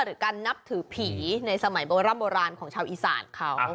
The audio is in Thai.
หรือการนับถือผีในสมัยโบร่ำโบราณของชาวอีสานเขา